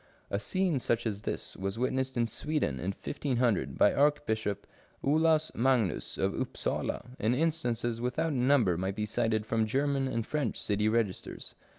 A scene such as this was witnessed in Sweden in 1500, by Archbishop Olaus Magnus of Upsala, and instances without number might be cited from German and French city registers.